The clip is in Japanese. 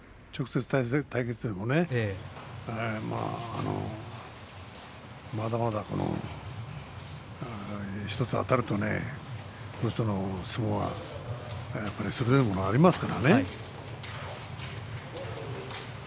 直接対決でもね、まだまだ１つあたるとこの人の相撲は鋭いものがありますよ。